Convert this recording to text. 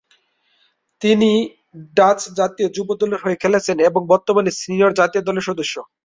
তিনি ডাচ জাতীয় যুব দলের হয়ে খেলেছেন এবং বর্তমানে সিনিয়র জাতীয় দলের সদস্য।